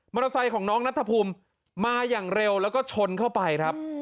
มอเตอร์ไซต์ของน้องณัททพุมมาอย่างเร็วแล้วก็ชนเข้าไป